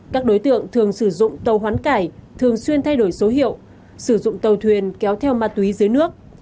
các đối tượng thường sử dụng tàu hoán cải thường xuyên thay đổi số hiệu sử dụng tàu thuyền kéo theo ma túy dưới nước